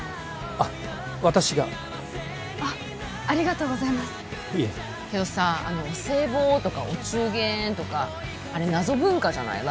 あっ私があっありがとうございますいいえけどさあのお歳暮とかお中元とかあれ謎文化じゃない？